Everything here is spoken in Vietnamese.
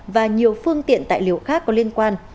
và nhiều phương tiện tài liệu khác có liên quan